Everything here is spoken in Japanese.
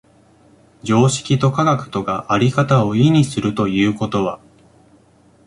常識と科学とが在り方を異にするということは、